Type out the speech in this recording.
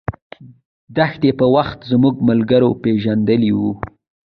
د تېښتې په وخت زموږ ملګرو پېژندلى و.